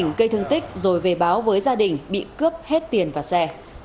công an huyện lệ thủy tỉnh quảng bình cây thương tích rồi về báo với gia đình bị cướp hết tiền và xe